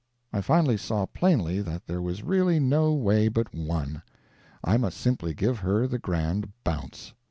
I finally saw plainly that there was really no way but one I must simply give her the grand bounce.